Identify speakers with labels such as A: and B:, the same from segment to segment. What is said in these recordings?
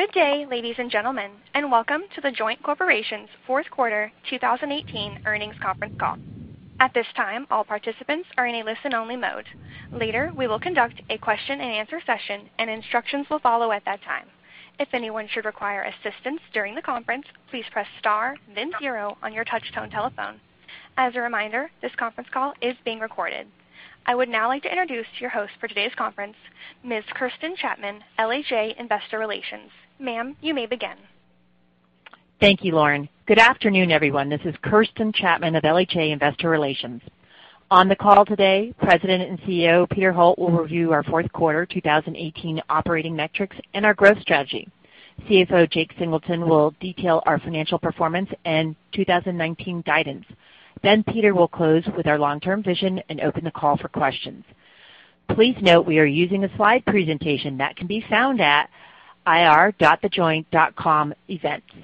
A: Good day, ladies and gentlemen, and welcome to The Joint Corporation's fourth quarter 2018 earnings conference call. At this time, all participants are in a listen-only mode. Later, we will conduct a question and answer session, and instructions will follow at that time. If anyone should require assistance during the conference, please press star then zero on your touch-tone telephone. As a reminder, this conference call is being recorded. I would now like to introduce your host for today's conference, Ms. Kirsten Chapman, LHA Investor Relations. Ma'am, you may begin.
B: Thank you, Lauren. Good afternoon, everyone. This is Kirsten Chapman of LHA Investor Relations. On the call today, President and CEO, Peter Holt, will review our fourth quarter 2018 operating metrics and our growth strategy. CFO Jake Singleton will detail our financial performance and 2019 guidance. Peter will close with our long-term vision and open the call for questions. Please note we are using a slide presentation that can be found at ir.thejoint.com/events.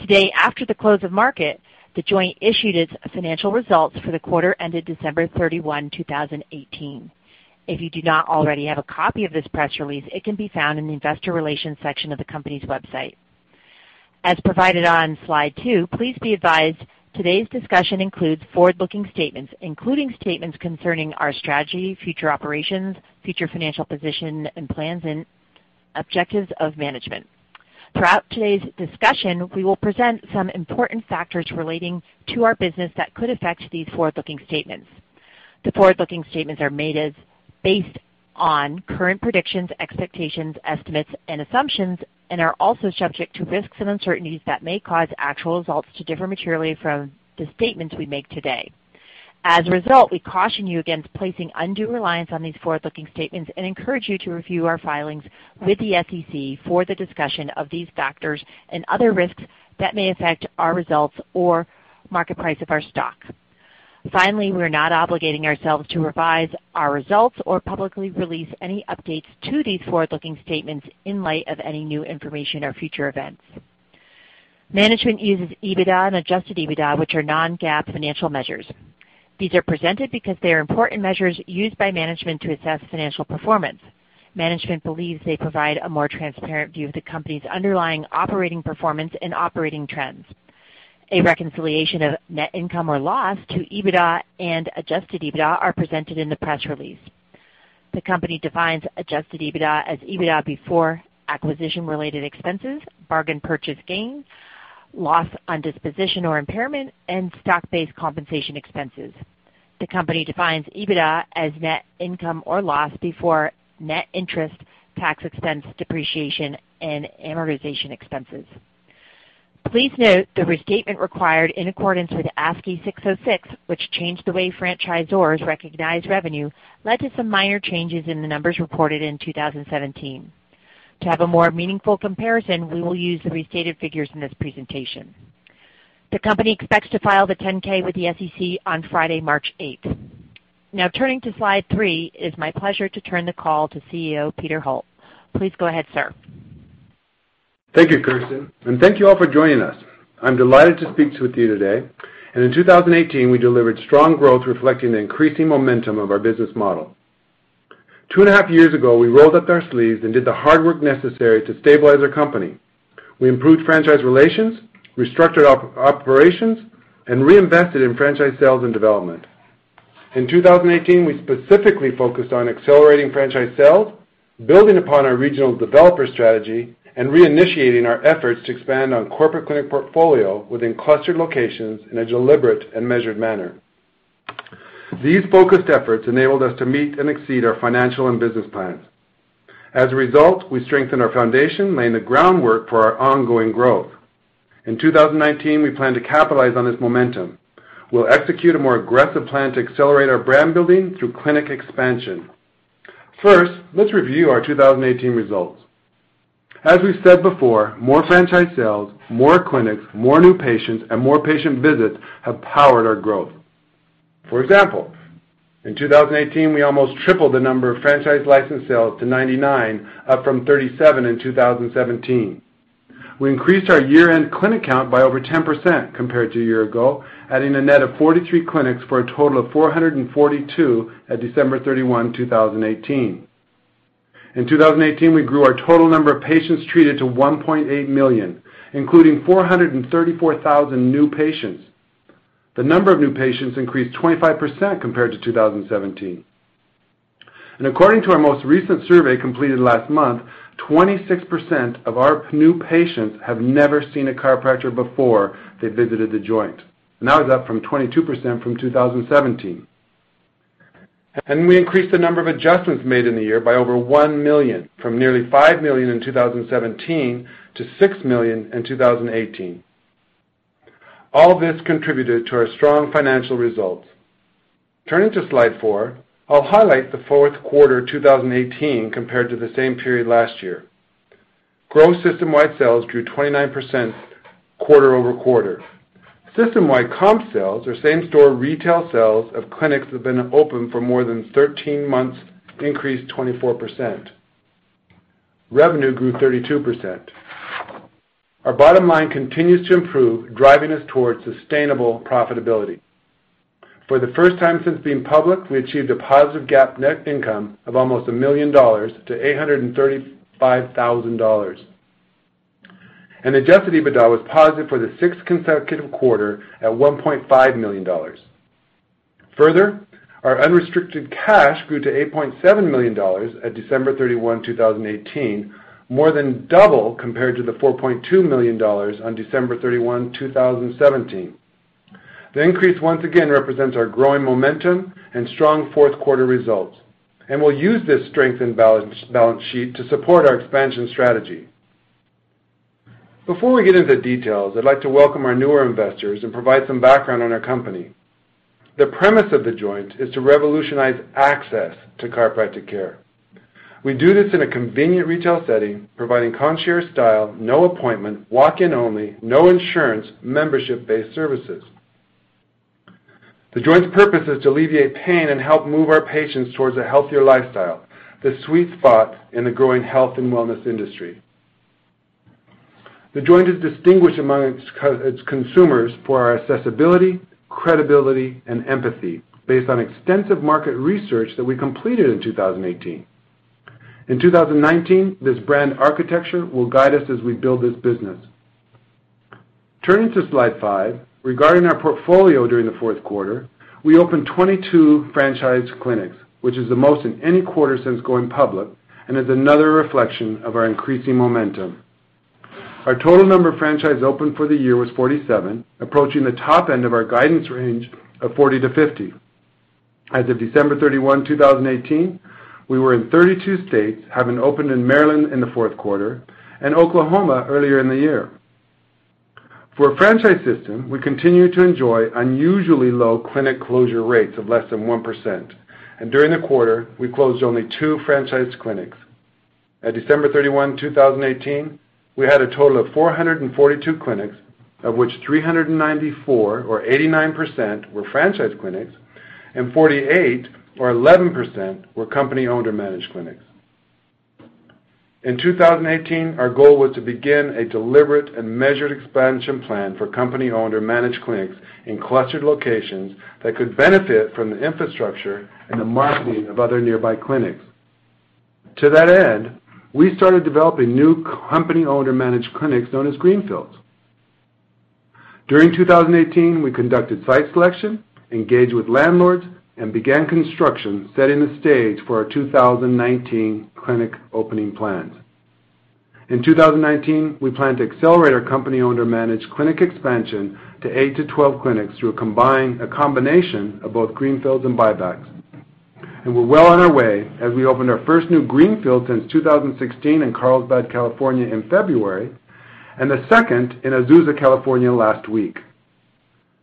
B: Today, after the close of market, The Joint issued its financial results for the quarter ended December 31, 2018. If you do not already have a copy of this press release, it can be found in the investor relations section of the company's website. As provided on slide two, please be advised today's discussion includes forward-looking statements, including statements concerning our strategy, future operations, future financial position, and plans and objectives of management. Throughout today's discussion, we will present some important factors relating to our business that could affect these forward-looking statements. The forward-looking statements are made based on current predictions, expectations, estimates, and assumptions and are also subject to risks and uncertainties that may cause actual results to differ materially from the statements we make today. As a result, we caution you against placing undue reliance on these forward-looking statements and encourage you to review our filings with the SEC for the discussion of these factors and other risks that may affect our results or market price of our stock. Finally, we're not obligating ourselves to revise our results or publicly release any updates to these forward-looking statements in light of any new information or future events. Management uses EBITDA and adjusted EBITDA, which are non-GAAP financial measures. These are presented because they are important measures used by management to assess financial performance. Management believes they provide a more transparent view of the company's underlying operating performance and operating trends. A reconciliation of net income or loss to EBITDA and adjusted EBITDA are presented in the press release. The company defines adjusted EBITDA as EBITDA before acquisition-related expenses, bargain purchase gains, loss on disposition or impairment, and stock-based compensation expenses. The company defines EBITDA as net income or loss before net interest, tax expense, depreciation, and amortization expenses. Please note, the restatement required in accordance with ASC 606, which changed the way franchisors recognize revenue, led to some minor changes in the numbers reported in 2017. To have a more meaningful comparison, we will use the restated figures in this presentation. The company expects to file the 10-K with the SEC on Friday, March 8th. Now turning to slide three, it's my pleasure to turn the call to CEO Peter Holt. Please go ahead, sir.
C: Thank you, Kirsten, and thank you all for joining us. I'm delighted to speak with you today. In 2018, we delivered strong growth reflecting the increasing momentum of our business model. Two and a half years ago, we rolled up our sleeves and did the hard work necessary to stabilize our company. We improved franchise relations, restructured operations, and reinvested in franchise sales and development. In 2018, we specifically focused on accelerating franchise sales, building upon our regional developer strategy, and reinitiating our efforts to expand our corporate clinic portfolio within clustered locations in a deliberate and measured manner. These focused efforts enabled us to meet and exceed our financial and business plans. As a result, we strengthened our foundation, laying the groundwork for our ongoing growth. In 2019, we plan to capitalize on this momentum. We'll execute a more aggressive plan to accelerate our brand building through clinic expansion. First, let's review our 2018 results. As we've said before, more franchise sales, more clinics, more new patients, and more patient visits have powered our growth. For example, in 2018, we almost tripled the number of franchise license sales to 99, up from 37 in 2017. We increased our year-end clinic count by over 10% compared to a year ago, adding a net of 43 clinics for a total of 442 at December 31, 2018. In 2018, we grew our total number of patients treated to 1.8 million, including 434,000 new patients. The number of new patients increased 25% compared to 2017. According to our most recent survey completed last month, 26% of our new patients have never seen a chiropractor before they visited The Joint. That was up from 22% from 2017. We increased the number of adjustments made in the year by over one million, from nearly five million in 2017 to six million in 2018. All this contributed to our strong financial results. Turning to slide four, I'll highlight the fourth quarter 2018 compared to the same period last year. Gross system-wide sales grew 29% quarter-over-quarter. System-wide comp sales, or same-store retail sales of clinics that have been open for more than 13 months, increased 24%. Revenue grew 32%. Our bottom line continues to improve, driving us towards sustainable profitability. For the first time since being public, we achieved a positive GAAP net income of almost $1 million to $835,000. Adjusted EBITDA was positive for the sixth consecutive quarter at $1.5 million. Further, our unrestricted cash grew to $8.7 million at December 31, 2018, more than double compared to the $4.2 million on December 31, 2017. The increase once again represents our growing momentum and strong fourth quarter results. We'll use this strengthened balance sheet to support our expansion strategy. Before we get into details, I'd like to welcome our newer investors and provide some background on our company. The premise of The Joint is to revolutionize access to chiropractic care. We do this in a convenient retail setting, providing concierge style, no appointment, walk-in only, no insurance, membership-based services. The Joint's purpose is to alleviate pain and help move our patients towards a healthier lifestyle, the sweet spot in the growing health and wellness industry. The Joint is distinguished among its consumers for our accessibility, credibility, and empathy based on extensive market research that we completed in 2018. In 2019, this brand architecture will guide us as we build this business. Turning to slide five, regarding our portfolio during the fourth quarter, we opened 22 franchise clinics, which is the most in any quarter since going public, and is another reflection of our increasing momentum. Our total number of franchises opened for the year was 47, approaching the top end of our guidance range of 40-50. As of December 31, 2018, we were in 32 states, having opened in Maryland in the fourth quarter and Oklahoma earlier in the year. For our franchise system, we continue to enjoy unusually low clinic closure rates of less than 1%, and during the quarter, we closed only two franchise clinics. At December 31, 2018, we had a total of 442 clinics, of which 394 or 89% were franchise clinics and 48 or 11% were company owned or managed clinics. In 2018, our goal was to begin a deliberate and measured expansion plan for company owned or managed clinics in clustered locations that could benefit from the infrastructure and the marketing of other nearby clinics. To that end, we started developing new company owned or managed clinics known as greenfields. During 2018, we conducted site selection, engaged with landlords, and began construction, setting the stage for our 2019 clinic opening plans. In 2019, we plan to accelerate our company owned or managed clinic expansion to 8-12 clinics through a combination of both greenfields and buybacks. We're well on our way as we opened our first new greenfield since 2016 in Carlsbad, California in February, and the second in Azusa, California last week.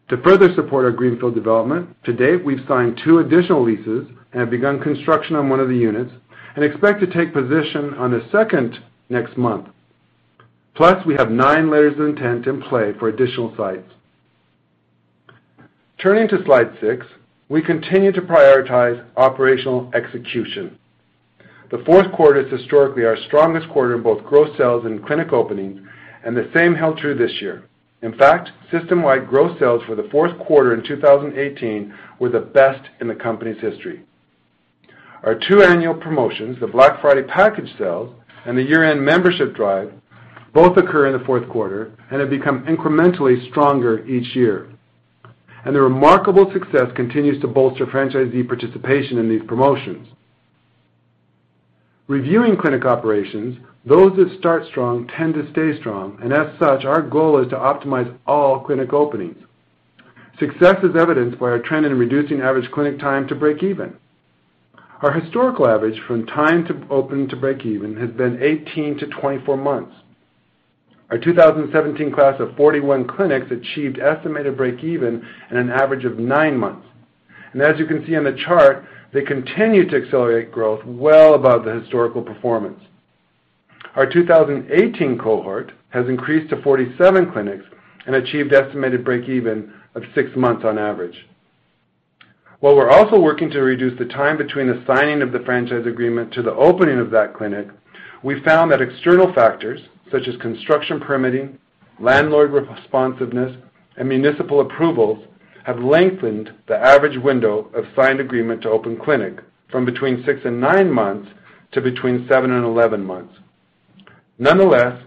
C: To further support our greenfield development, to date we've signed two additional leases and have begun construction on one of the units and expect to take position on the second next month. We have nine letters of intent in play for additional sites. Turning to slide six, we continue to prioritize operational execution. The fourth quarter is historically our strongest quarter in both gross sales and clinic openings, and the same held true this year. In fact, system-wide gross sales for the fourth quarter in 2018 were the best in the company's history. Our two annual promotions, the Black Friday package sale and the year-end membership drive, both occur in the fourth quarter and have become incrementally stronger each year. Their remarkable success continues to bolster franchisee participation in these promotions. Reviewing clinic operations, those that start strong tend to stay strong. As such, our goal is to optimize all clinic openings. Success is evidenced by our trend in reducing average clinic time to break even. Our historical average from time open to break even has been 18-24 months. Our 2017 class of 41 clinics achieved estimated break even in an average of nine months. As you can see on the chart, they continue to accelerate growth well above the historical performance. Our 2018 cohort has increased to 47 clinics and achieved estimated break even of six months on average. While we're also working to reduce the time between the signing of the franchise agreement to the opening of that clinic, we found that external factors such as construction permitting, landlord responsiveness, and municipal approvals have lengthened the average window of signed agreement to open clinic from between six and nine months to between seven and 11 months. Nonetheless,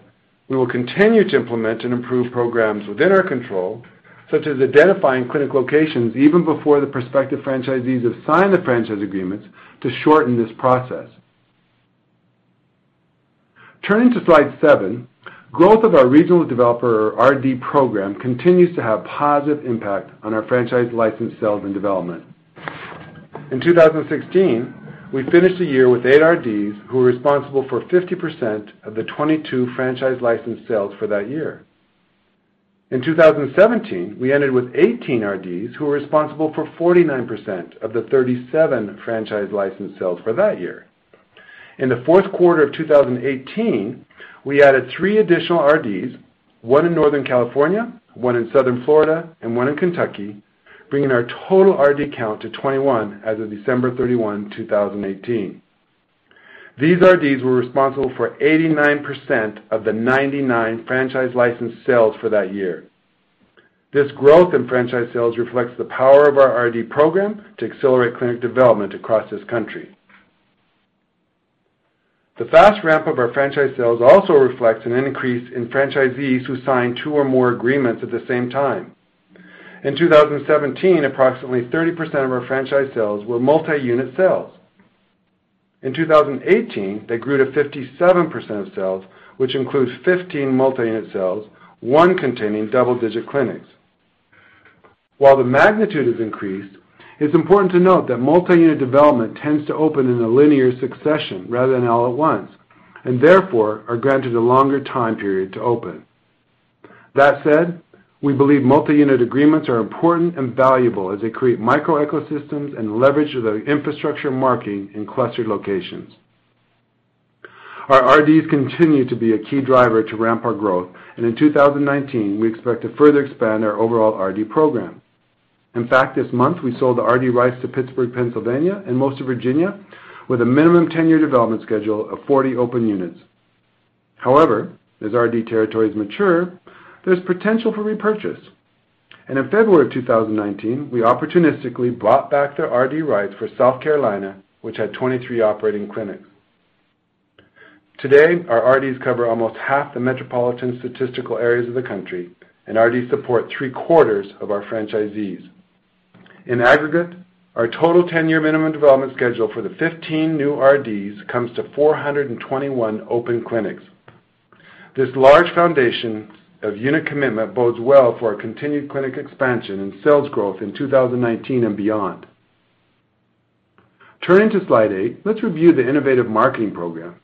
C: we will continue to implement and improve programs within our control, such as identifying clinic locations even before the prospective franchisees have signed the franchise agreements to shorten this process. Turning to slide seven, growth of our regional developer, or RD program, continues to have positive impact on our franchise license sales and development. In 2016, we finished the year with eight RDs, who were responsible for 50% of the 22 franchise license sales for that year. In 2017, we ended with 18 RDs, who were responsible for 49% of the 37 franchise license sales for that year. In the fourth quarter of 2018, we added three additional RDs, one in Northern California, one in Southern Florida, and one in Kentucky, bringing our total RD count to 21 as of December 31, 2018. These RDs were responsible for 89% of the 99 franchise licensed sales for that year. This growth in franchise sales reflects the power of our RD program to accelerate clinic development across this country. The fast ramp of our franchise sales also reflects an increase in franchisees who sign two or more agreements at the same time. In 2017, approximately 30% of our franchise sales were multi-unit sales. In 2018, they grew to 57% of sales, which includes 15 multi-unit sales, one containing double-digit clinics. While the magnitude has increased, it's important to note that multi-unit development tends to open in a linear succession rather than all at once. Therefore, are granted a longer time period to open. That said, we believe multi-unit agreements are important and valuable as they create micro ecosystems and leverage of the infrastructure marketing in clustered locations. Our RDs continue to be a key driver to ramp our growth. In 2019, we expect to further expand our overall RD program. In fact, this month, we sold the RD rights to Pittsburgh, Pennsylvania, and most of Virginia, with a minimum 10-year development schedule of 40 open units. However, as RD territories mature, there's potential for repurchase. In February of 2019, we opportunistically bought back their RD rights for South Carolina, which had 23 operating clinics. Today, our RDs cover almost half the metropolitan statistical areas of the country and already support three-quarters of our franchisees. In aggregate, our total 10-year minimum development schedule for the 15 new RDs comes to 421 open clinics. This large foundation of unit commitment bodes well for our continued clinic expansion and sales growth in 2019 and beyond. Turning to slide eight, let's review the innovative marketing program.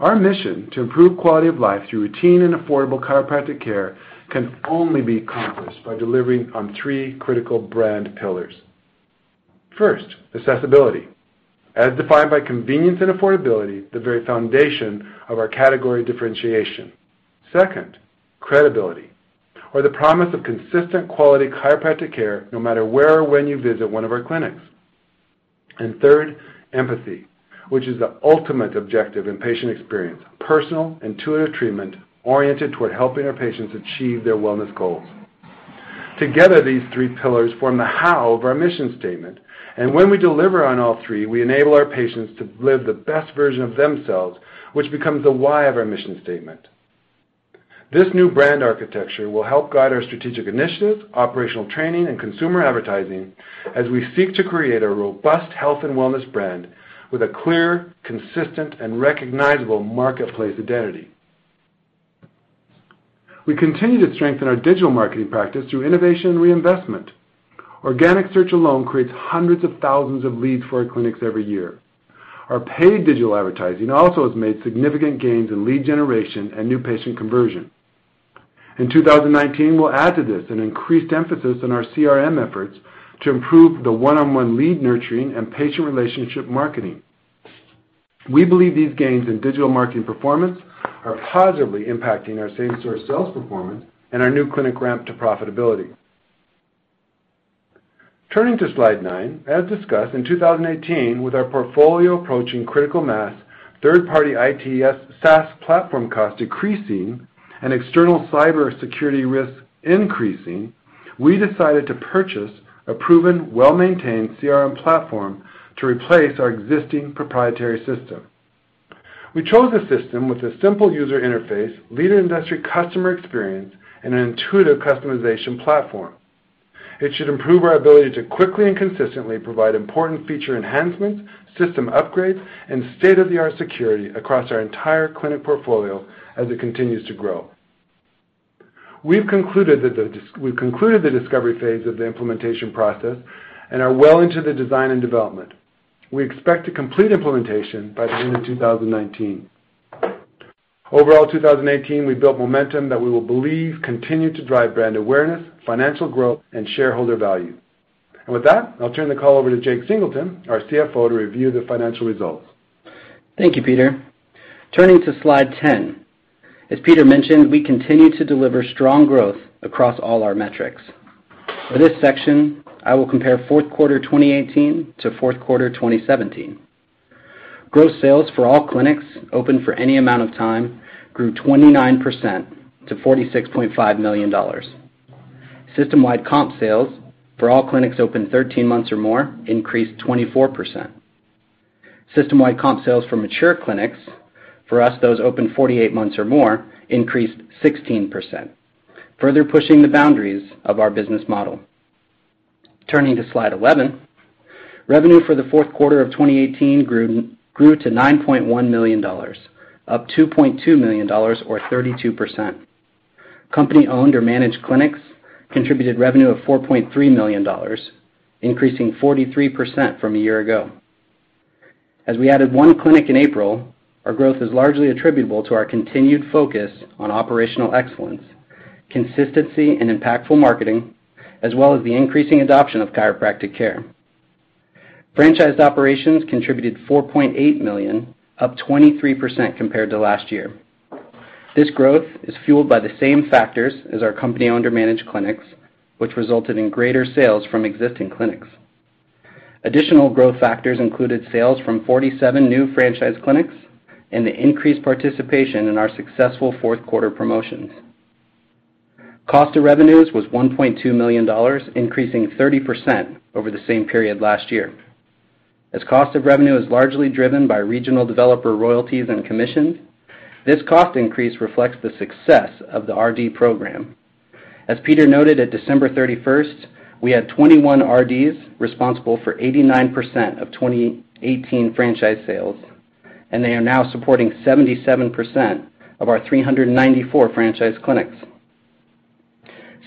C: Our mission to improve quality of life through routine and affordable chiropractic care can only be accomplished by delivering on three critical brand pillars. First, accessibility, as defined by convenience and affordability, the very foundation of our category differentiation. Second, credibility, or the promise of consistent quality chiropractic care, no matter where or when you visit one of our clinics. Third, empathy, which is the ultimate objective in patient experience, personal, intuitive treatment oriented toward helping our patients achieve their wellness goals. Together, these three pillars form the how of our mission statement, when we deliver on all three, we enable our patients to live the best version of themselves, which becomes the why of our mission statement. This new brand architecture will help guide our strategic initiatives, operational training, and consumer advertising as we seek to create a robust health and wellness brand with a clear, consistent, and recognizable marketplace identity. We continue to strengthen our digital marketing practice through innovation and reinvestment. Organic search alone creates hundreds of thousands of leads for our clinics every year. Our paid digital advertising also has made significant gains in lead generation and new patient conversion. In 2019, we'll add to this an increased emphasis on our CRM efforts to improve the one-on-one lead nurturing and patient relationship marketing. We believe these gains in digital marketing performance are positively impacting our same-store sales performance and our new clinic ramp to profitability. Turning to slide nine, as discussed, in 2018, with our portfolio approaching critical mass, third-party IT SaaS platform costs decreasing and external cybersecurity risks increasing, we decided to purchase a proven, well-maintained CRM platform to replace our existing proprietary system. We chose a system with a simple user interface, leader in industry customer experience, and an intuitive customization platform. It should improve our ability to quickly and consistently provide important feature enhancements, system upgrades, and state-of-the-art security across our entire clinic portfolio as it continues to grow. We've concluded the discovery phase of the implementation process and are well into the design and development. We expect to complete implementation by the end of 2019. Overall, 2018, we built momentum that we will believe continue to drive brand awareness, financial growth, and shareholder value. With that, I'll turn the call over to Jake Singleton, our CFO, to review the financial results.
D: Thank you, Peter. Turning to slide 10. As Peter mentioned, we continue to deliver strong growth across all our metrics. For this section, I will compare fourth quarter 2018 to fourth quarter 2017. Gross sales for all clinics, open for any amount of time, grew 29% to $46.5 million. System-wide comp sales for all clinics open 13 months or more increased 24%. System-wide comp sales for mature clinics, for us, those open 48 months or more, increased 16%, further pushing the boundaries of our business model. Turning to slide 11, revenue for the fourth quarter of 2018 grew to $9.1 million, up $2.2 million or 32%. Company-owned or managed clinics contributed revenue of $4.3 million, increasing 43% from a year ago. As we added one clinic in April, our growth is largely attributable to our continued focus on operational excellence, consistency and impactful marketing, as well as the increasing adoption of chiropractic care. Franchised operations contributed $4.8 million, up 23% compared to last year. This growth is fueled by the same factors as our company-owned or managed clinics, which resulted in greater sales from existing clinics. Additional growth factors included sales from 47 new franchise clinics and the increased participation in our successful fourth quarter promotions. Cost to revenues was $1.2 million, increasing 30% over the same period last year. As cost of revenue is largely driven by regional developer royalties and commissions, this cost increase reflects the success of the RD program. As Peter noted, at December 31st, we had 21 RDs responsible for 89% of 2018 franchise sales, and they are now supporting 77% of our 394 franchise clinics.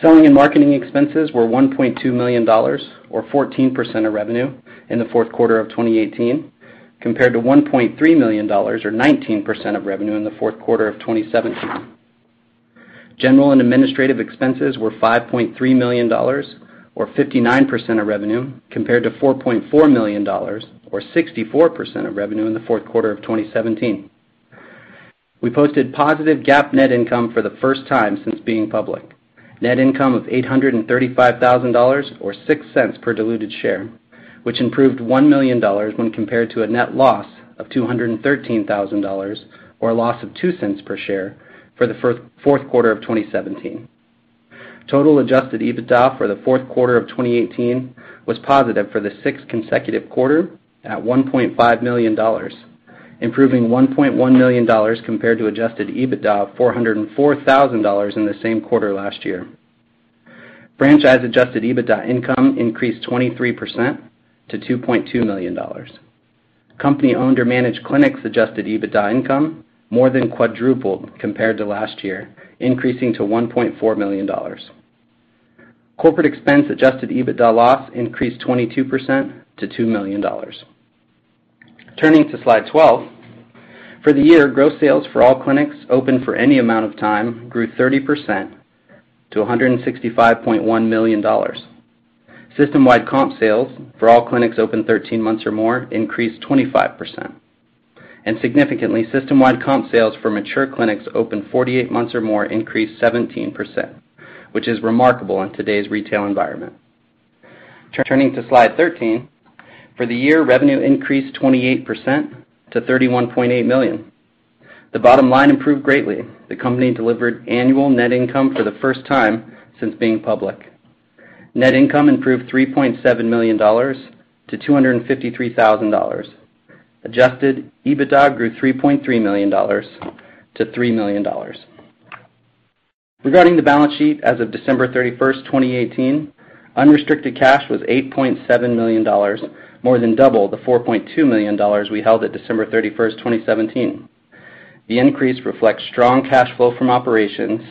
D: Selling and marketing expenses were $1.2 million, or 14% of revenue in the fourth quarter of 2018, compared to $1.3 million, or 19% of revenue in the fourth quarter of 2017. General and administrative expenses were $5.3 million, or 59% of revenue, compared to $4.4 million, or 64% of revenue in the fourth quarter of 2017. We posted positive GAAP net income for the first time since being public. Net income of $835,000, or $0.06 per diluted share, which improved $1 million when compared to a net loss of $213,000, or a loss of $0.02 per share for the fourth quarter of 2017. Total adjusted EBITDA for the fourth quarter of 2018 was positive for the sixth consecutive quarter at $1.5 million, improving $1.1 million compared to adjusted EBITDA of $404,000 in the same quarter last year. Franchise-adjusted EBITDA income increased 23% to $2.2 million. Company-owned or managed clinics' adjusted EBITDA income more than quadrupled compared to last year, increasing to $1.4 million. Corporate expense adjusted EBITDA loss increased 22% to $2 million. Turning to slide 12, for the year, gross sales for all clinics open for any amount of time grew 30% to $165.1 million. System-wide comp sales for all clinics open 13 months or more increased 25%. Significantly, system-wide comp sales for mature clinics open 48 months or more increased 17%, which is remarkable in today's retail environment. Turning to slide 13, for the year, revenue increased 28% to $31.8 million. The bottom line improved greatly. The company delivered annual net income for the first time since being public. Net income improved $3.7 million to $253,000. Adjusted EBITDA grew $3.3 million-$3 million. Regarding the balance sheet as of December 31st, 2018, unrestricted cash was $8.7 million, more than double the $4.2 million we held at December 31st, 2017. The increase reflects strong cash flow from operations,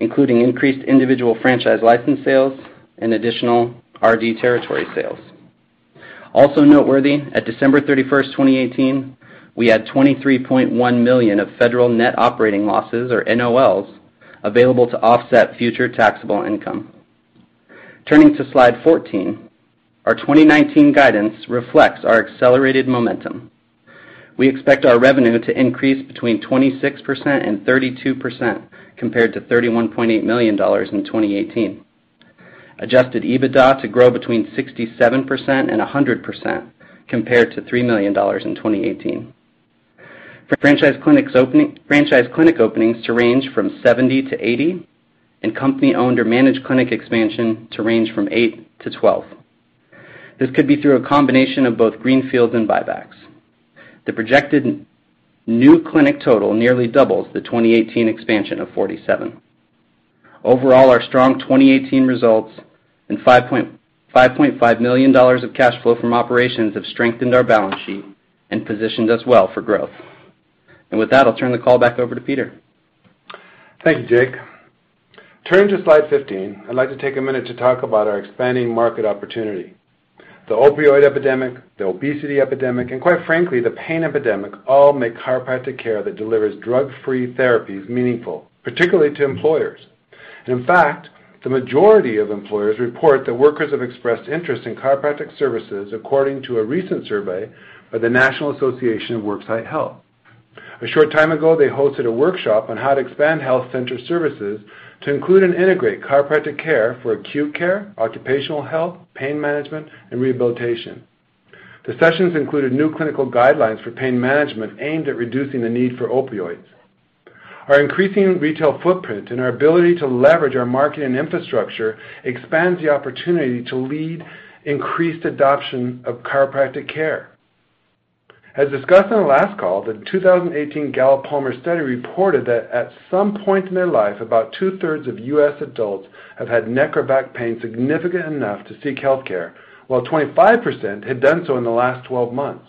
D: including increased individual franchise license sales and additional RD territory sales. Also noteworthy, at December 31st, 2018, we had $23.1 million of federal net operating losses, or NOLs, available to offset future taxable income. Turning to slide 14, our 2019 guidance reflects our accelerated momentum. We expect our revenue to increase between 26% and 32% compared to $31.8 million in 2018. Adjusted EBITDA to grow between 67% and 100% compared to $3 million in 2018. For franchise clinic openings to range from 70 to 80, and company-owned or managed clinic expansion to range from eight to 12. This could be through a combination of both greenfields and buybacks. The projected new clinic total nearly doubles the 2018 expansion of 47. Overall, our strong 2018 results and $5.5 million of cash flow from operations have strengthened our balance sheet and positioned us well for growth. With that, I'll turn the call back over to Peter.
C: Thank you, Jake. Turning to slide 15, I'd like to take a minute to talk about our expanding market opportunity. The opioid epidemic, the obesity epidemic, and quite frankly, the pain epidemic all make chiropractic care that delivers drug-free therapies meaningful, particularly to employers. In fact, the majority of employers report that workers have expressed interest in chiropractic services, according to a recent survey by the National Association of Worksite Health. A short time ago, they hosted a workshop on how to expand health center services to include and integrate chiropractic care for acute care, occupational health, pain management, and rehabilitation. The sessions included new clinical guidelines for pain management aimed at reducing the need for opioids. Our increasing retail footprint and our ability to leverage our marketing infrastructure expands the opportunity to lead increased adoption of chiropractic care. As discussed on the last call, the 2018 Gallup-Palmer study reported that at some point in their life, about two-thirds of U.S. adults have had neck or back pain significant enough to seek healthcare, while 25% had done so in the last 12 months.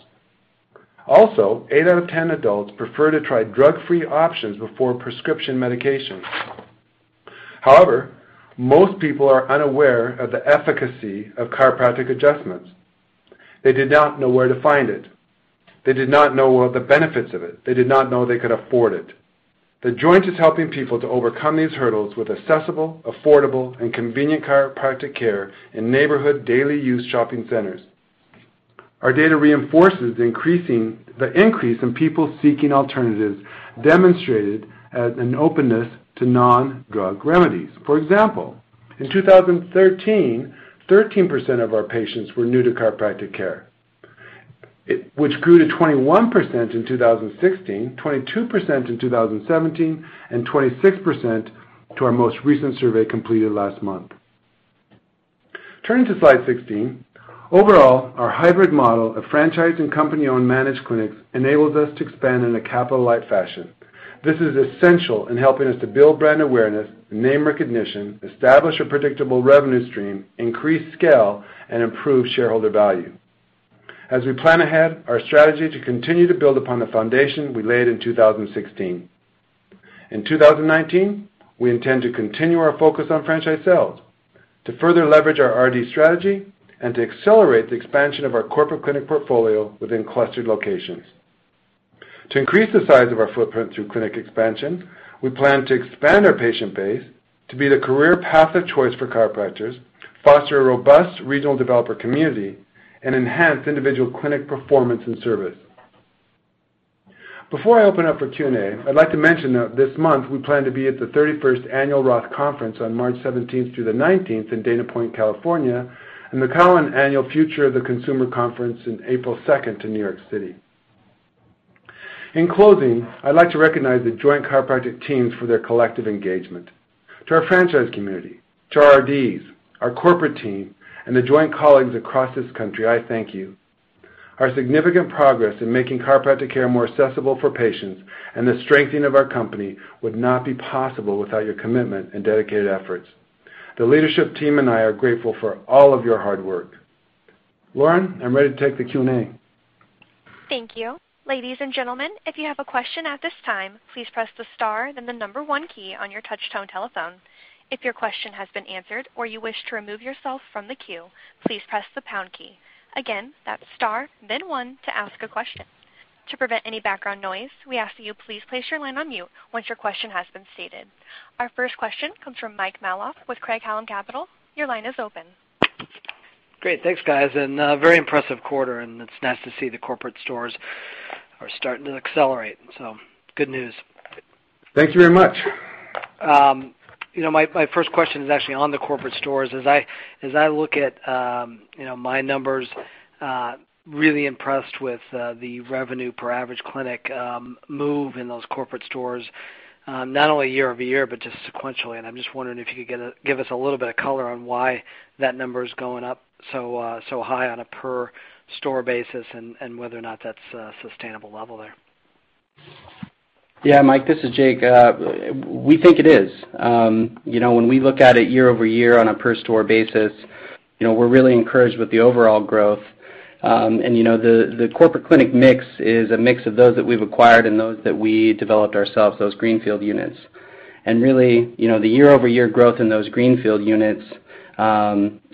C: Also, eight out of 10 adults prefer to try drug-free options before prescription medication. However, most people are unaware of the efficacy of chiropractic adjustments. They did not know where to find it. They did not know the benefits of it. They did not know they could afford it. The Joint is helping people to overcome these hurdles with accessible, affordable, and convenient chiropractic care in neighborhood daily use shopping centers. Our data reinforces the increase in people seeking alternatives, demonstrated as an openness to non-drug remedies. For example, in 2013, 13% of our patients were new to chiropractic care, which grew to 21% in 2016, 22% in 2017, and 26% to our most recent survey completed last month. Turning to slide 16. Overall, our hybrid model of franchise and company-owned managed clinics enables us to expand in a capital-light fashion. This is essential in helping us to build brand awareness and name recognition, establish a predictable revenue stream, increase scale, and improve shareholder value. As we plan ahead, our strategy to continue to build upon the foundation we laid in 2016. In 2019, we intend to continue our focus on franchise sales, to further leverage our RD strategy, and to accelerate the expansion of our corporate clinic portfolio within clustered locations. To increase the size of our footprint through clinic expansion, we plan to expand our patient base to be the career path of choice for chiropractors, foster a robust regional developer community, and enhance individual clinic performance and service. Before I open up for Q&A, I'd like to mention that this month we plan to be at the 31st Annual Roth Conference on March 17th through the 19th in Dana Point, California, and the Cowen Annual Future of the Consumer Conference in April 2nd in New York City. In closing, I'd like to recognize The Joint Chiropractic teams for their collective engagement. To our franchise community, to our RDs, our corporate team, and The Joint colleagues across this country, I thank you. Our significant progress in making chiropractic care more accessible for patients and the strengthening of our company would not be possible without your commitment and dedicated efforts. The leadership team and I are grateful for all of your hard work. Lauren, I'm ready to take the Q&A.
A: Thank you. Ladies and gentlemen, if you have a question at this time, please press the star, then the number one key on your touch-tone telephone. If your question has been answered or you wish to remove yourself from the queue, please press the pound key. Again, that's star then one to ask a question. To prevent any background noise, we ask that you please place your line on mute once your question has been stated. Our first question comes from Mike Malouf with Craig-Hallum Capital. Your line is open.
E: Great. Thanks, guys. Very impressive quarter. It's nice to see the corporate stores are starting to accelerate. Good news.
C: Thank you very much.
E: My first question is actually on the corporate stores. As I look at my numbers, really impressed with the revenue per average clinic move in those corporate stores, not only year-over-year, but just sequentially. I'm just wondering if you could give us a little bit of color on why that number's going up so high on a per store basis and whether or not that's a sustainable level there.
D: Yeah, Mike, this is Jake. We think it is. When we look at it year-over-year on a per store basis, we're really encouraged with the overall growth. The corporate clinic mix is a mix of those that we've acquired and those that we developed ourselves, those greenfield units. Really, the year-over-year growth in those greenfield units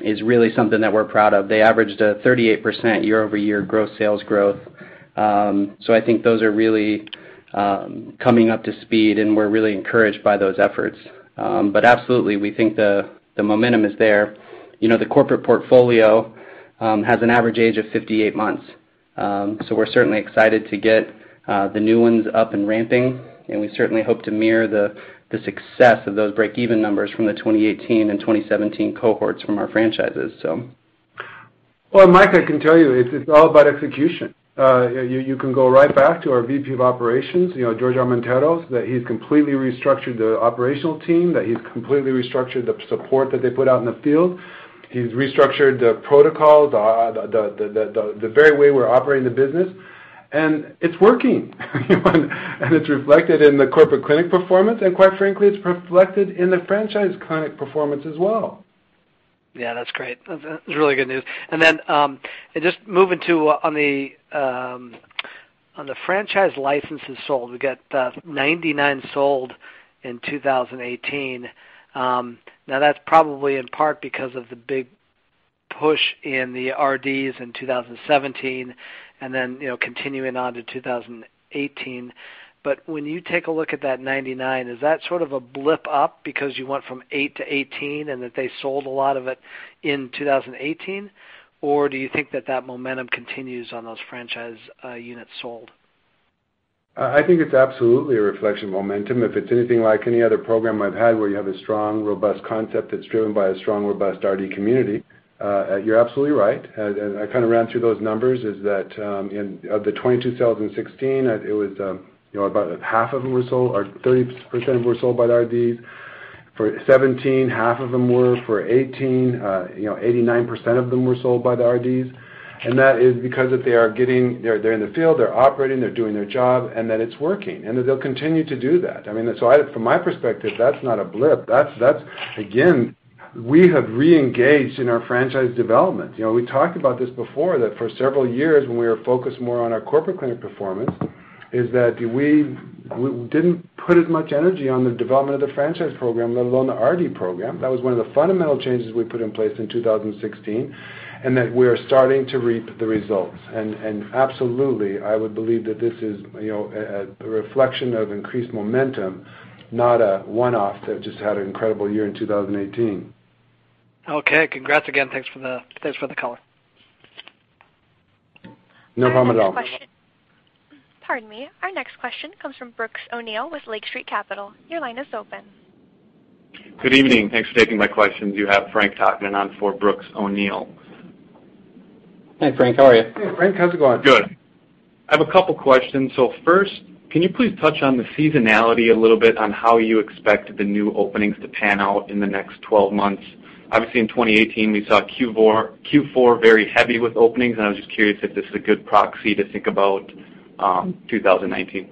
D: is really something that we're proud of. They averaged a 38% year-over-year gross sales growth. I think those are really coming up to speed, and we're really encouraged by those efforts. Absolutely, we think the momentum is there. The corporate portfolio has an average age of 58 months. We're certainly excited to get the new ones up and ramping, and we certainly hope to mirror the success of those breakeven numbers from the 2018 and 2017 cohorts from our franchises.
C: Well, Mike, I can tell you, it's all about execution. You can go right back to our VP of Operations, Jorge Armenteros, that he's completely restructured the operational team, that he's completely restructured the support that they put out in the field. He's restructured the protocols, the very way we're operating the business, and it's working. It's reflected in the corporate clinic performance, quite frankly, it's reflected in the franchise clinic performance as well.
E: Yeah, that's great. That's really good news. Just moving to on the franchise licenses sold, we've got 99 sold in 2018. That's probably in part because of the big push in the RDs in 2017 continuing on to 2018. When you take a look at that 99, is that sort of a blip up because you went from 8-18 that they sold a lot of it in 2018? Do you think that that momentum continues on those franchise units sold?
C: I think it's absolutely a reflection of momentum. If it's anything like any other program I've had where you have a strong, robust concept that's driven by a strong, robust RD community, you're absolutely right. I kind of ran through those numbers, is that of the 2016, it was about half of them were sold, or 30% were sold by the RDs. For 2017, half of them were. For 2018, 89% of them were sold by the RDs. That is because they're in the field, they're operating, they're doing their job, that it's working. They'll continue to do that. From my perspective, that's not a blip. That's, again, we have re-engaged in our franchise development. We talked about this before, that for several years when we were focused more on our corporate clinic performance, is that we didn't put as much energy on the development of the franchise program, let alone the RD program. That was one of the fundamental changes we put in place in 2016, that we are starting to reap the results. Absolutely, I would believe that this is a reflection of increased momentum, not a one-off that just had an incredible year in 2018.
E: Okay, congrats again. Thanks for the call.
C: No problem at all.
A: Pardon me. Our next question comes from Brooks O'Neil with Lake Street Capital. Your line is open.
F: Good evening. Thanks for taking my questions. You have Frank Takkinen on for Brooks O'Neil.
D: Hi, Frank, how are you?
C: Hey, Frank. How's it going?
F: Good. I have a couple questions. First, can you please touch on the seasonality a little bit on how you expect the new openings to pan out in the next 12 months? Obviously, in 2018, we saw Q4 very heavy with openings, and I was just curious if this is a good proxy to think about 2019.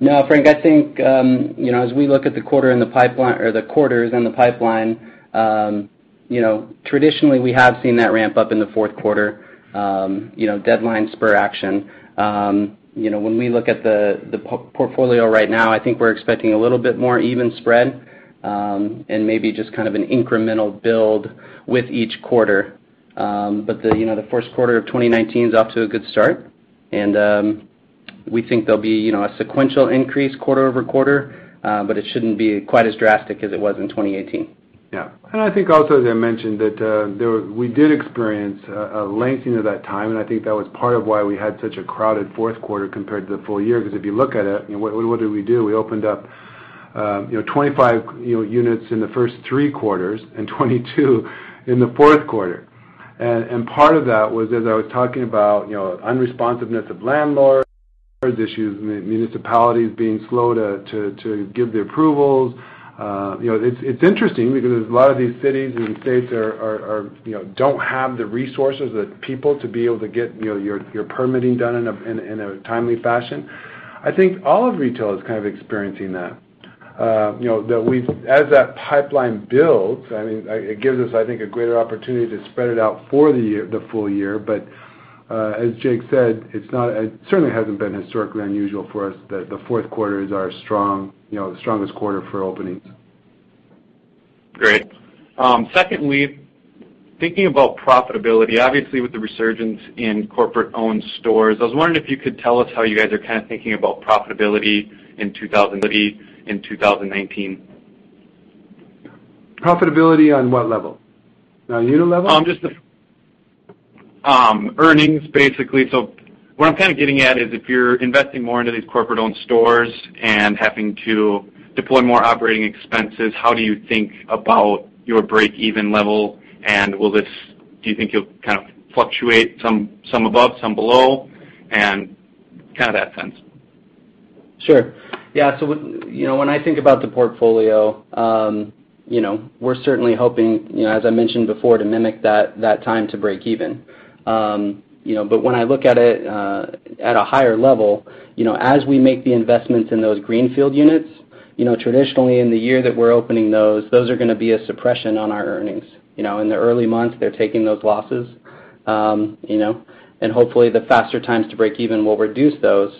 D: Frank, I think, as we look at the quarters in the pipeline, traditionally we have seen that ramp up in the fourth quarter, deadlines spur action. When we look at the portfolio right now, I think we're expecting a little bit more even spread, and maybe just kind of an incremental build with each quarter. The first quarter of 2019 is off to a good start and we think there'll be a sequential increase quarter-over-quarter, but it shouldn't be quite as drastic as it was in 2018.
C: I think also as I mentioned that we did experience a lengthening of that time, and I think that was part of why we had such a crowded fourth quarter compared to the full year, because if you look at it, what did we do? We opened up 25 units in the first three quarters and 22 in the fourth quarter. Part of that was, as I was talking about, unresponsiveness of landlords issues, municipalities being slow to give the approvals. It's interesting because a lot of these cities and states don't have the resources, the people to be able to get your permitting done in a timely fashion. I think all of retail is kind of experiencing that. As that pipeline builds, it gives us, I think, a greater opportunity to spread it out for the full year. As Jake said, it certainly hasn't been historically unusual for us that the fourth quarters are the strongest quarter for openings.
F: Great. Secondly, thinking about profitability, obviously with the resurgence in corporate-owned stores, I was wondering if you could tell us how you guys are kind of thinking about profitability in 2019.
C: Profitability on what level? On a unit level?
F: Just earnings, basically. What I'm kind of getting at is if you're investing more into these corporate-owned stores and having to deploy more operating expenses, how do you think about your breakeven level, and do you think you'll kind of fluctuate some above, some below, and kind of that sense?
D: Sure. Yeah. When I think about the portfolio, we're certainly hoping, as I mentioned before, to mimic that time to breakeven. When I look at it at a higher level, as we make the investments in those greenfield units, traditionally in the year that we're opening those are going to be a suppression on our earnings. In the early months, they're taking those losses, and hopefully the faster times to breakeven will reduce those.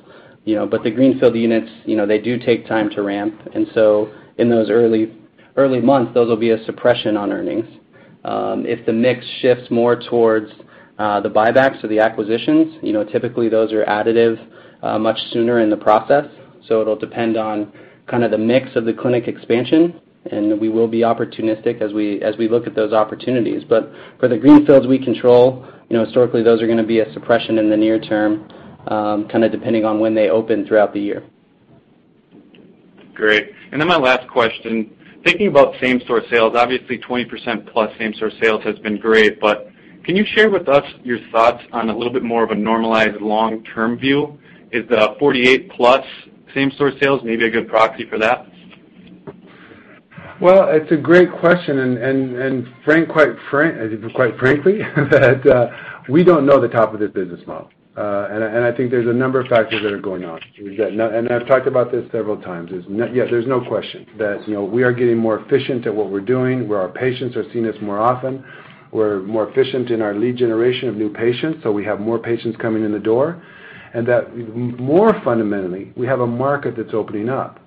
D: The greenfield units, they do take time to ramp, and so in those early months, those will be a suppression on earnings. If the mix shifts more towards the buybacks or the acquisitions, typically those are additive much sooner in the process, so it'll depend on kind of the mix of the clinic expansion, and we will be opportunistic as we look at those opportunities. For the greenfields we control, historically those are going to be a suppression in the near term, kind of depending on when they open throughout the year.
F: Great. My last question, thinking about same-store sales, obviously 20%+ same-store sales has been great, but can you share with us your thoughts on a little bit more of a normalized long-term view? Is the 48+ same-store sales may be a good proxy for that?
C: It's a great question, quite frankly, that we don't know the top of this business model. I think there's a number of factors that are going on, and I've talked about this several times. There's no question that we are getting more efficient at what we're doing, where our patients are seeing us more often. We're more efficient in our lead generation of new patients, so we have more patients coming in the door. That more fundamentally, we have a market that's opening up.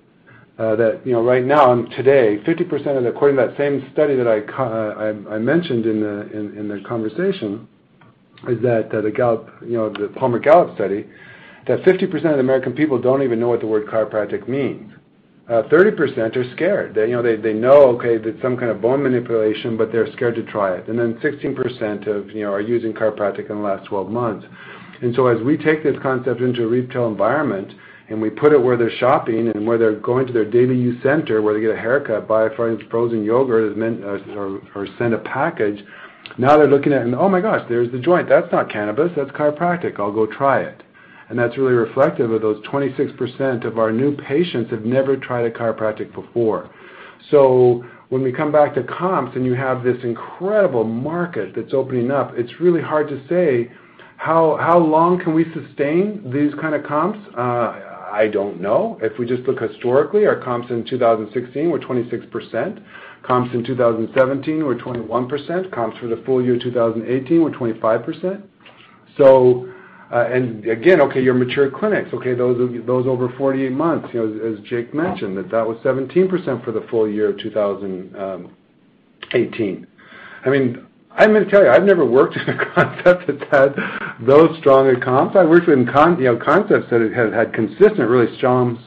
C: That right now, today, 50% according to that same study that I mentioned in the conversation, the Palmer-Gallup study, that 50% of the American people don't even know what the word chiropractic means. 30% are scared. They know, okay, that's some kind of bone manipulation, but they're scared to try it. 16% are using chiropractic in the last 12 months. As we take this concept into a retail environment and we put it where they're shopping and where they're going to their daily use center where they get a haircut, buy a frozen yogurt or send a package, now they're looking at it and, "Oh my gosh, there's The Joint. That's not cannabis, that's chiropractic. I'll go try it." That's really reflective of those 26% of our new patients who have never tried a chiropractic before. When we come back to comps and you have this incredible market that's opening up, it's really hard to say how long can we sustain these kind of comps? I don't know. If we just look historically, our comps in 2016 were 26%, comps in 2017 were 21%, comps for the full year 2018 were 25%. Again, okay, your mature clinics, okay, those over 48 months, as Jake mentioned, that was 17% for the full year of 2018. I mean, I'm going to tell you, I've never worked in a concept that's had those strong comps. I've worked in concepts that have had consistent, really strong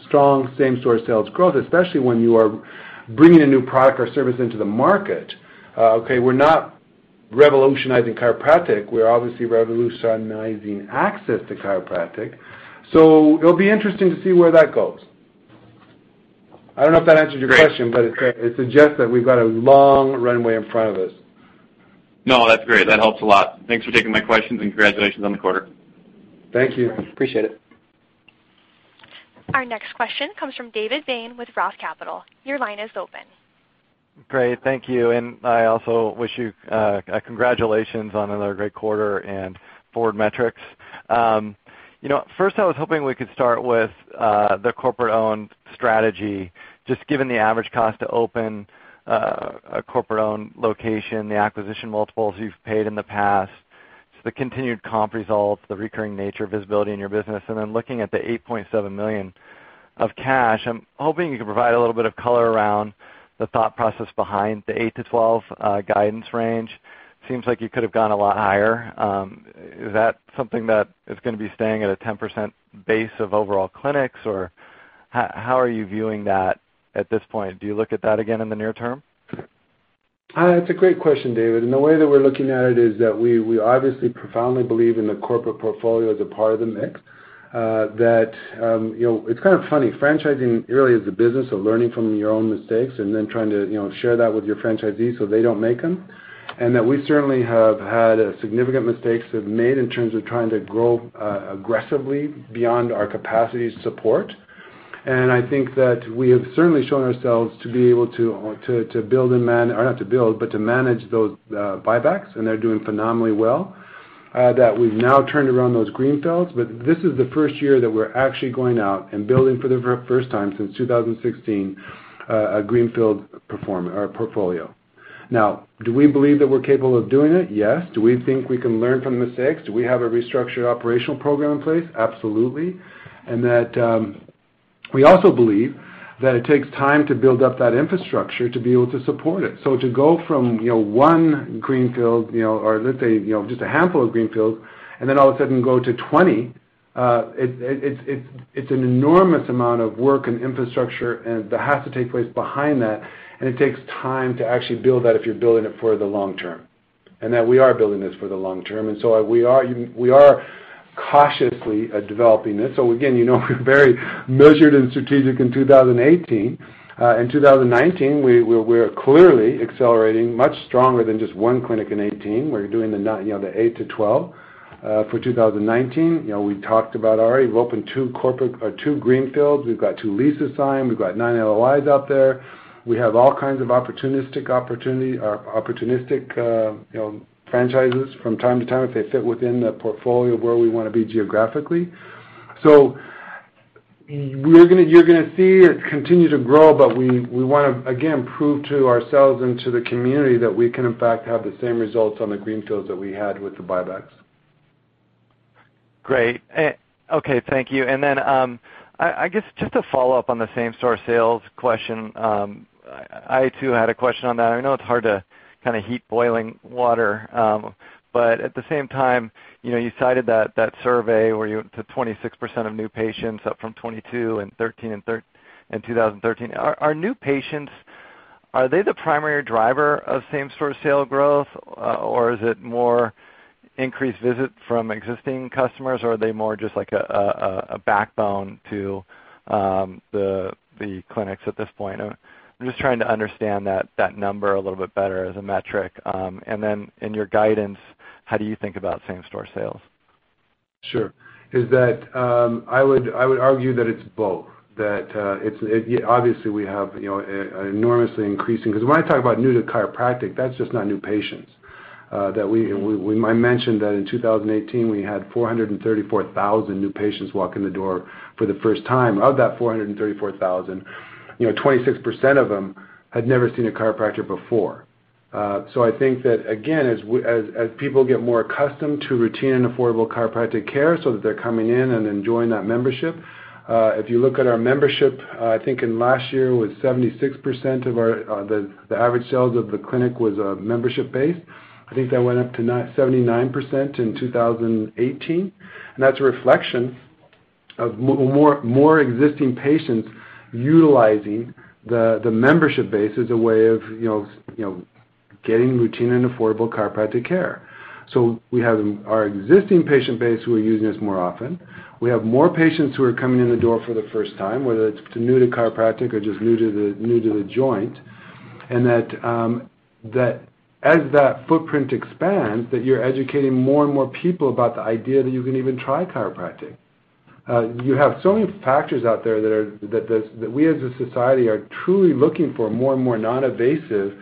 C: same-store sales growth, especially when you are bringing a new product or service into the market. Okay, we're not revolutionizing chiropractic. We're obviously revolutionizing access to chiropractic. It'll be interesting to see where that goes. I don't know if that answers your question-
F: Great.
C: It suggests that we've got a long runway in front of us.
F: No, that's great. That helps a lot. Thanks for taking my questions, and congratulations on the quarter.
C: Thank you.
D: Appreciate it.
A: Our next question comes from David Bain with ROTH Capital Partners. Your line is open.
G: Great. Thank you. I also wish you congratulations on another great quarter and forward metrics. First, I was hoping we could start with the corporate-owned strategy. Just given the average cost to open a corporate-owned location, the acquisition multiples you've paid in the past. The continued comp results, the recurring nature of visibility in your business, looking at the $8.7 million of cash, I'm hoping you can provide a little bit of color around the thought process behind the 8-12 guidance range. Seems like you could have gone a lot higher. Is that something that is going to be staying at a 10% base of overall clinics, or how are you viewing that at this point? Do you look at that again in the near term?
C: It's a great question, David, The way that we're looking at it is that we obviously profoundly believe in the corporate portfolio as a part of the mix. It's kind of funny, franchising really is a business of learning from your own mistakes and then trying to share that with your franchisees so they don't make them, We certainly have had significant mistakes we've made in terms of trying to grow aggressively beyond our capacity to support. I think that we have certainly shown ourselves to be able to build and manage those buybacks, and they're doing phenomenally well. We've now turned around those greenfields. This is the first year that we're actually going out and building for the first time since 2016, a greenfield portfolio. Now, do we believe that we're capable of doing it? Yes. Do we think we can learn from mistakes? Do we have a restructured operational program in place? Absolutely. We also believe that it takes time to build up that infrastructure to be able to support it. To go from one greenfield, or let's say, just a handful of greenfields and then all of a sudden go to 20, it's an enormous amount of work and infrastructure, That has to take place behind that, and it takes time to actually build that if you're building it for the long term. We are building this for the long term, We are cautiously developing this. Again, we're very measured and strategic in 2018. In 2019, we're clearly accelerating much stronger than just one clinic in 2018. We're doing the 8-12, for 2019. We talked about already, we've opened two greenfields. We've got two leases signed. We've got nine LOIs out there. We have all kinds of opportunistic franchises from time to time if they fit within the portfolio of where we want to be geographically. You're going to see it continue to grow, We want to, again, prove to ourselves and to the community that we can, in fact, have the same results on the greenfields that we had with the buybacks.
G: Great. Okay. Thank you. I guess just to follow up on the same-store sales question. I too had a question on that. I know it's hard to heat boiling water. At the same time, you cited that survey where you went to 26% of new patients, up from 22% in 2013. Are new patients, are they the primary driver of same-store sale growth, or is it more increased visit from existing customers, or are they more just like a backbone to the clinics at this point? I'm just trying to understand that number a little bit better as a metric. In your guidance, how do you think about same-store sales?
C: Sure. I would argue that it's both. Obviously we have enormously increasing, because when I talk about new to chiropractic, that's just not new patients. I mentioned that in 2018, we had 434,000 new patients walk in the door for the first time. Of that 434,000, 26% of them had never seen a chiropractor before. I think that, again, as people get more accustomed to routine and affordable chiropractic care, so that they're coming in and enjoying that membership. If you look at our membership, I think in last year, it was 76% of the average sales of the clinic was membership-based. I think that went up to 97%-99% in 2018, and that's a reflection of more existing patients utilizing the membership base as a way of getting routine and affordable chiropractic care. We have our existing patient base who are using us more often. We have more patients who are coming in the door for the first time, whether it's new to chiropractic or just new to The Joint. As that footprint expands, you're educating more and more people about the idea that you can even try chiropractic. You have so many factors out there that we as a society are truly looking for more and more non-invasive,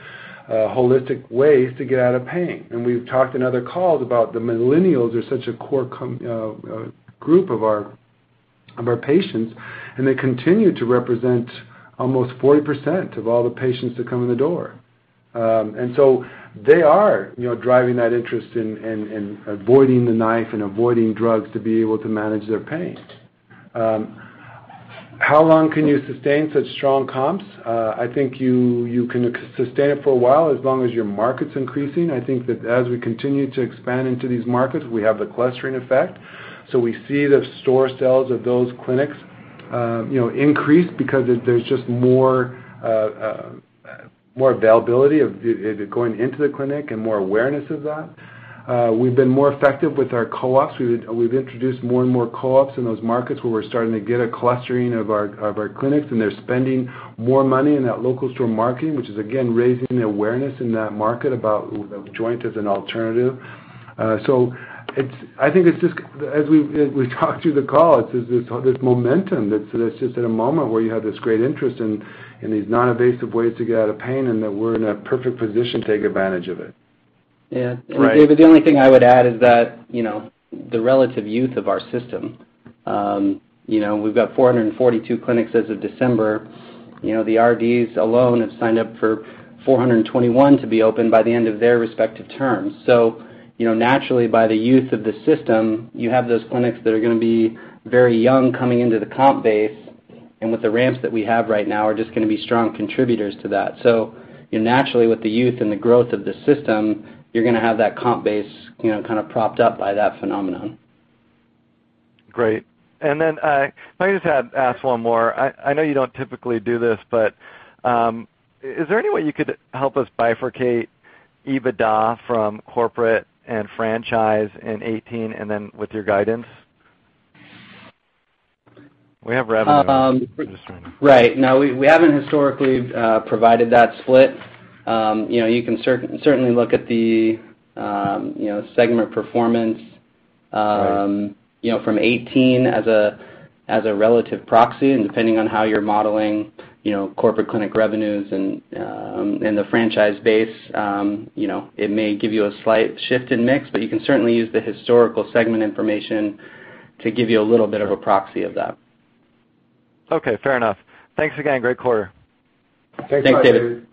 C: holistic ways to get out of pain. We've talked in other calls about the millennials are such a core group of our patients, and they continue to represent almost 40% of all the patients that come in the door. They are driving that interest in avoiding the knife and avoiding drugs to be able to manage their pain. How long can you sustain such strong comps? I think you can sustain it for a while, as long as your market's increasing. I think that as we continue to expand into these markets, we have the clustering effect. We see the store sales of those clinics increase because there's just more availability of going into the clinic and more awareness of that. We've been more effective with our co-ops. We've introduced more and more co-ops in those markets where we're starting to get a clustering of our clinics, and they're spending more money in that local store market, which is, again, raising the awareness in that market about The Joint as an alternative. I think as we talk through the call, there's this momentum that's just at a moment where you have this great interest in these non-invasive ways to get out of pain, and that we're in a perfect position to take advantage of it.
D: Yeah.
G: Right.
D: David, the only thing I would add is the relative youth of our system. We've got 442 clinics as of December. The RDs alone have signed up for 421 to be open by the end of their respective terms. Naturally by the youth of the system, you have those clinics that are going to be very young coming into the comp base, and with the ramps that we have right now, are just going to be strong contributors to that. Naturally with the youth and the growth of the system, you're going to have that comp base propped up by that phenomenon.
G: Great. If I can just ask one more. I know you don't typically do this, but is there any way you could help us bifurcate EBITDA from corporate and franchise in 2018, with your guidance?
C: We have revenue.
D: Right. No, we haven't historically provided that split. You can certainly look at the segment performance.
G: Right.
D: From 2018 as a relative proxy, and depending on how you're modeling corporate clinic revenues and the franchise base, it may give you a slight shift in mix, but you can certainly use the historical segment information to give you a little bit of a proxy of that.
G: Okay, fair enough. Thanks again. Great quarter.
C: Thanks, David.
D: Thanks, David.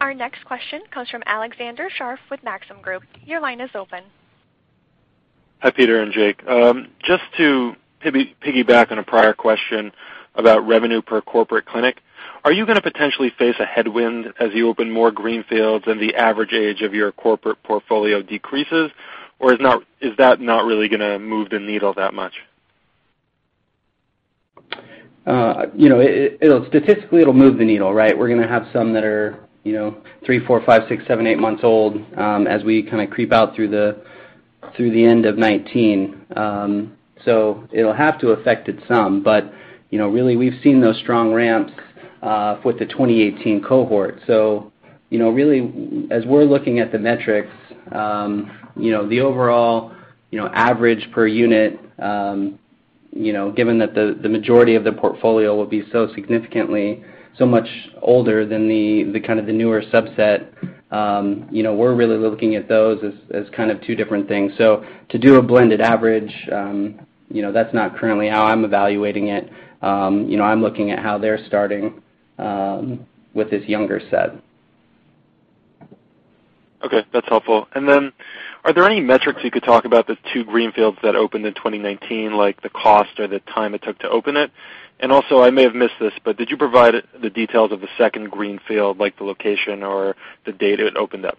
A: Our next question comes from Alexander Scharff with Maxim Group. Your line is open.
H: Hi, Peter and Jake. Just to piggyback on a prior question about revenue per corporate clinic, are you going to potentially face a headwind as you open more greenfields and the average age of your corporate portfolio decreases, or is that not really going to move the needle that much?
D: Statistically it'll move the needle, right? We're going to have some that are three, four, five, six, seven, eight months old, as we kind of creep out through the end of 2019. It'll have to affect it some. Really, we've seen those strong ramps with the 2018 cohort. Really, as we're looking at the metrics, the overall average per unit, given that the majority of the portfolio will be so significantly, so much older than the newer subset, we're really looking at those as two different things. To do a blended average, that's not currently how I'm evaluating it. I'm looking at how they're starting with this younger set.
H: Okay, that's helpful. Are there any metrics you could talk about the two greenfields that opened in 2019, like the cost or the time it took to open it? I may have missed this, but did you provide the details of the second greenfield, like the location or the date it opened up?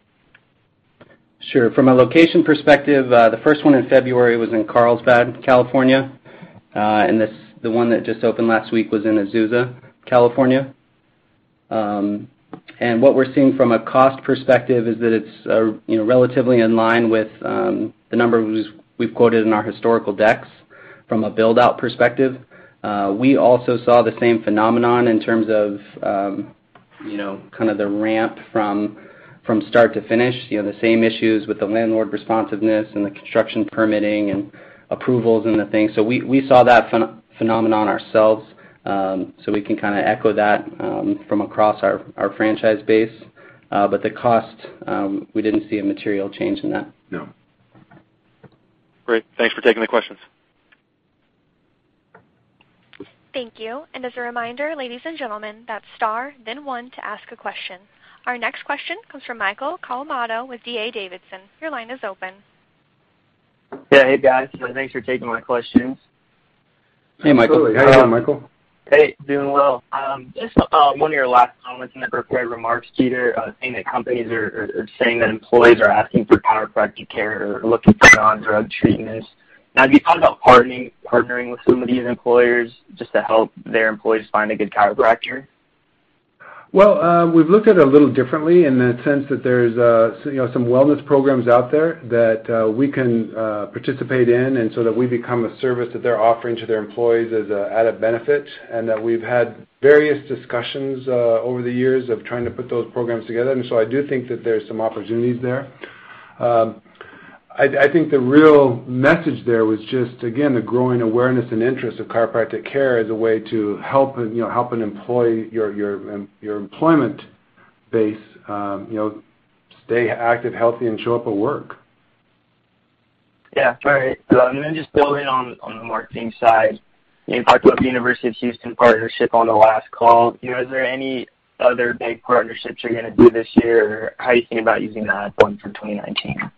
D: Sure. From a location perspective, the first one in February was in Carlsbad, California. The one that just opened last week was in Azusa, California. What we're seeing from a cost perspective is that it's relatively in line with the numbers we've quoted in our historical decks from a build-out perspective. We also saw the same phenomenon in terms of the ramp from start to finish, the same issues with the landlord responsiveness and the construction permitting and approvals and the things. We saw that phenomenon ourselves, so we can echo that from across our franchise base. The cost, we didn't see a material change in that.
C: No.
H: Great. Thanks for taking the questions.
A: Thank you. As a reminder, ladies and gentlemen, that's star then one to ask a question. Our next question comes from Michael Calamaro with D.A. Davidson. Your line is open.
I: Yeah. Hey, guys. Thanks for taking my questions.
D: Hey, Michael.
C: Absolutely. How you doing, Michael?
I: Hey, doing well. Just one of your last comments in the prepared remarks, Peter, saying that companies are saying that employees are asking for chiropractic care or looking for non-drug treatments. Have you thought about partnering with some of these employers just to help their employees find a good chiropractor?
C: We've looked at it a little differently in the sense that there's some wellness programs out there that we can participate in, that we become a service that they're offering to their employees as an added benefit. We've had various discussions over the years of trying to put those programs together. I do think that there's some opportunities there. I think the real message there was just, again, the growing awareness and interest of chiropractic care as a way to help an employee, your employment base stay active, healthy, and show up at work.
I: Yeah. All right. Just building on the marketing side, you talked about the University of Houston partnership on the last call. Is there any other big partnerships you're going to do this year, or how are you thinking about using the ad fund for 2019?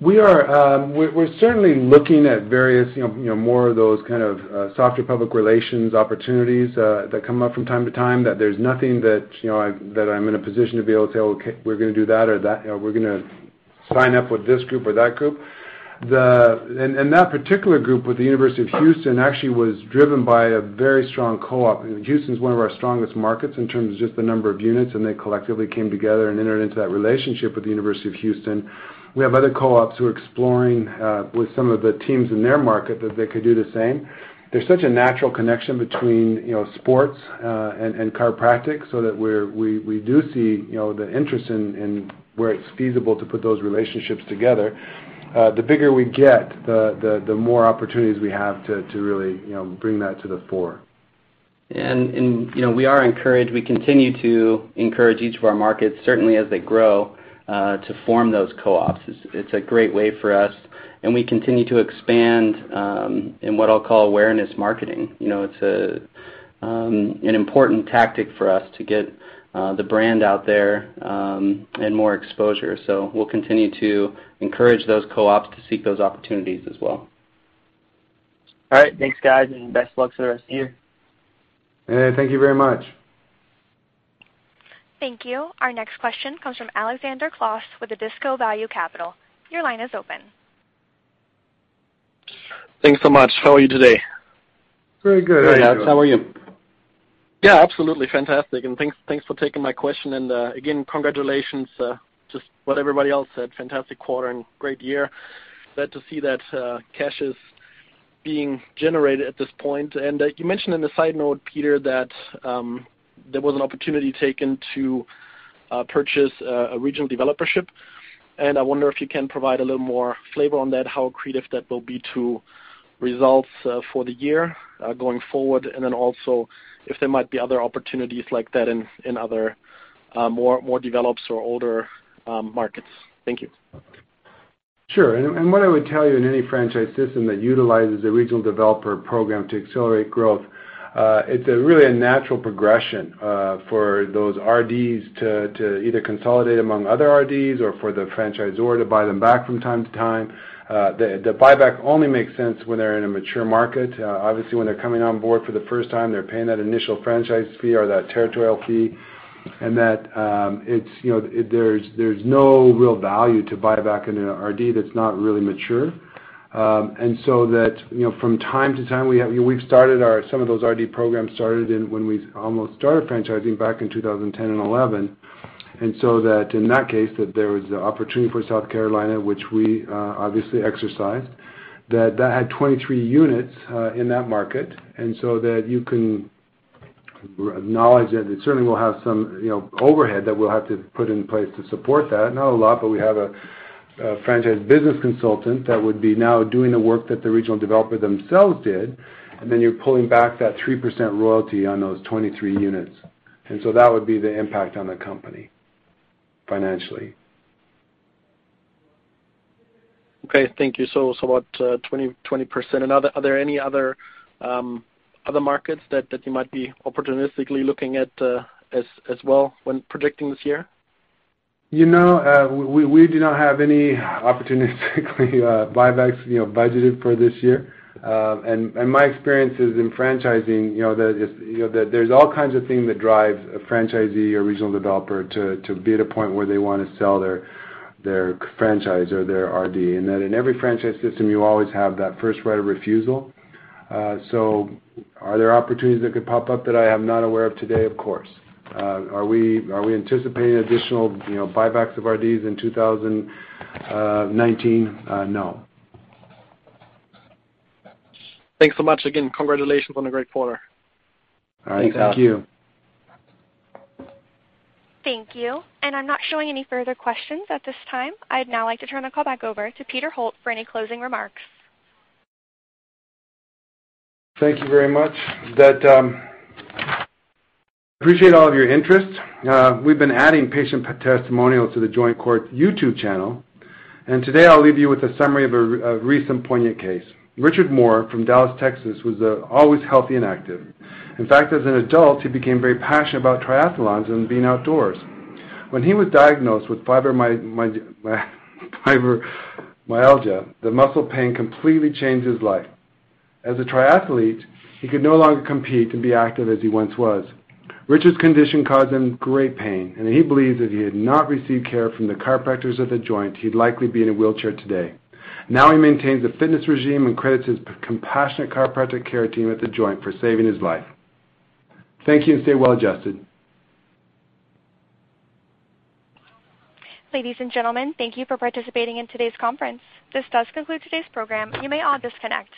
C: We're certainly looking at various, more of those kind of softer public relations opportunities that come up from time to time, that there's nothing that I'm in a position to be able to say, "Okay, we're going to do that or that, or we're going to sign up with this group or that group." That particular group with the University of Houston actually was driven by a very strong co-op. Houston's one of our strongest markets in terms of just the number of units, and they collectively came together and entered into that relationship with the University of Houston. We have other co-ops who are exploring, with some of the teams in their market, that they could do the same. There's such a natural connection between sports and chiropractic, so that we do see the interest in where it's feasible to put those relationships together. The bigger we get, the more opportunities we have to really bring that to the fore.
D: We are encouraged. We continue to encourage each of our markets, certainly as they grow, to form those co-ops. It's a great way for us, and we continue to expand in what I'll call awareness marketing. It's an important tactic for us to get the brand out there and more exposure. We'll continue to encourage those co-ops to seek those opportunities as well.
I: All right. Thanks, guys, and best of luck for the rest of the year.
C: Thank you very much.
A: Thank you. Our next question comes from Alexander Clausen with the Disco Value Capital. Your line is open.
J: Thanks so much. How are you today?
C: Very good.
D: Very good. How are you?
J: Yeah, absolutely, fantastic. Thanks for taking my question. Again, congratulations, just what everybody else said, fantastic quarter and great year. Glad to see that cash is being generated at this point. You mentioned in a side note, Peter, that there was an opportunity taken to purchase a regional developership, and I wonder if you can provide a little more flavor on that, how accretive that will be to results for the year going forward, and then also if there might be other opportunities like that in other more developed or older markets. Thank you.
C: Sure. What I would tell you in any franchise system that utilizes a regional developer program to accelerate growth, it's really a natural progression for those RDs to either consolidate among other RDs or for the franchisor to buy them back from time to time. The buyback only makes sense when they're in a mature market. Obviously, when they're coming on board for the first time, they're paying that initial franchise fee or that territorial fee, and that there's no real value to buy back an RD that's not really mature. From time to time, some of those RD programs started when we almost started franchising back in 2010 and 2011. In that case, there was the opportunity for South Carolina, which we obviously exercised. That had 23 units in that market. You can acknowledge that it certainly will have some overhead that we'll have to put in place to support that. Not a lot, but we have a franchise business consultant that would be now doing the work that the regional developer themselves did, and then you're pulling back that 3% royalty on those 23 units. That would be the impact on the company financially.
J: Okay, thank you. About 20%. Are there any other markets that you might be opportunistically looking at as well when predicting this year?
C: We do not have any opportunistically buybacks budgeted for this year. My experience is in franchising, there's all kinds of things that drive a franchisee or regional developer to be at a point where they want to sell their franchise or their RD. That in every franchise system, you always have that first right of refusal. Are there opportunities that could pop up that I am not aware of today? Of course. Are we anticipating additional buybacks of RDs in 2019? No.
J: Thanks so much. Again, congratulations on a great quarter.
C: All right. Thank you.
D: Thanks, Alex.
A: Thank you. I'm not showing any further questions at this time. I'd now like to turn the call back over to Peter Holt for any closing remarks.
C: Thank you very much. Appreciate all of your interest. We've been adding patient testimonials to The Joint Corp.'s YouTube channel, and today I'll leave you with a summary of a recent poignant case. Richard Moore from Dallas, Texas, was always healthy and active. In fact, as an adult, he became very passionate about triathlons and being outdoors. When he was diagnosed with fibromyalgia, the muscle pain completely changed his life. As a triathlete, he could no longer compete and be active as he once was. Richard's condition caused him great pain, and he believes if he had not received care from the chiropractors at The Joint, he'd likely be in a wheelchair today. Now he maintains a fitness regime and credits his compassionate chiropractic care team at The Joint for saving his life. Thank you, and stay well-adjusted.
A: Ladies and gentlemen, thank you for participating in today's conference. This does conclude today's program. You may all disconnect.